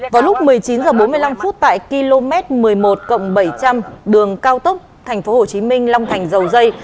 vào lúc một mươi chín h bốn mươi năm tại km một mươi một bảy trăm linh đường cao tốc thành phố hồ chí minh long thành dầu dây